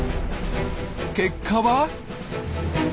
結果は？